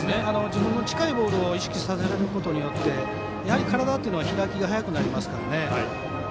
自分の近いボールを意識させることによって体は開きが早くなりますから。